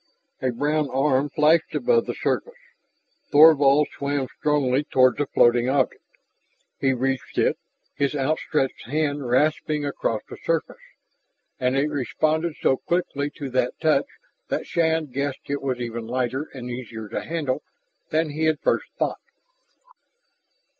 A brown arm flashed above the surface. Thorvald swam strongly toward the floating object. He reached it, his outstretched hand rasping across the surface. And it responded so quickly to that touch that Shann guessed it was even lighter and easier to handle than he had first thought.